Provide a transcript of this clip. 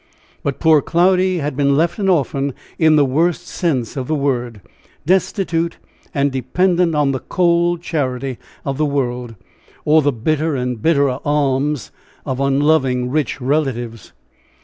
But poor Cloudy had been left an orphan in the worst sense of the word destitute and dependent on the "cold charity of the world," or the colder and bitterer alms of unloving rich relatives.